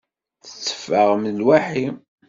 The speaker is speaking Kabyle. Tetteffaɣem lwaḥi?